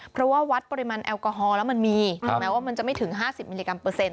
เพราะว่าวัดปริมาณแอลกอฮอลแล้วมันมีถึงแม้ว่ามันจะไม่ถึง๕๐มิลลิกรัมเปอร์เซ็น